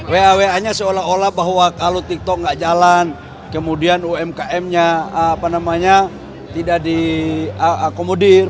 wa wa nya seolah olah bahwa kalau tiktok nggak jalan kemudian umkm nya tidak diakomodir